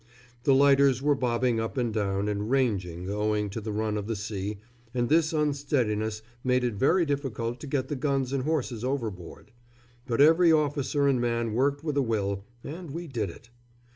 The lighters were bobbing up and down and "ranging," owing to the run of the sea, and this unsteadiness made it very difficult to get the guns and horses overboard; but every officer and man worked with a will, and we did it.